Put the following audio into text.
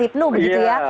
ibnul begitu ya